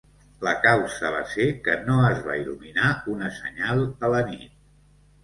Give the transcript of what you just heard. La causa va ser que no es va il·luminar una senyal a la nit.